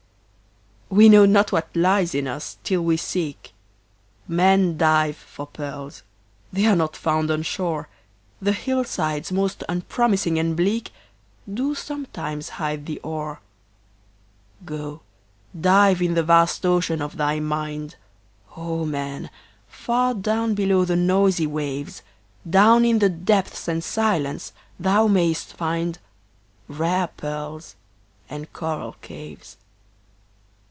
We know not what lies in us, till we seek; Men dive for pearls they are not found on shore, The hillsides most unpromising and bleak Do sometimes hide the ore. Go, dive in the vast ocean of thy mind, O man! far down below the noisy waves, Down in the depths and silence thou mayst find Rare pearls and coral caves.